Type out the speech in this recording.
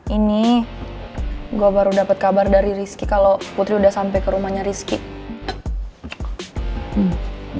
ini gue baru dapat kabar dari rizky kalau putri udah sampai ke rumahnya rizky